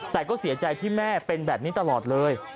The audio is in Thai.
แต่ก็เสียใจที่แม่เป็นแบบนี้ตลอดเลย